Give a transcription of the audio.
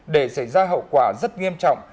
để xảy ra hậu quả rất nghiêm trọng